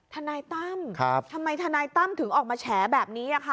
ทนายตั้มทำไมทนายตั้มถึงออกมาแฉแบบนี้ค่ะ